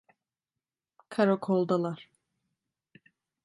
Karakoldalar…